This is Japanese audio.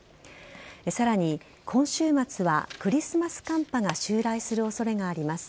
さらに、今週末はクリスマス寒波が襲来するおそれがあります。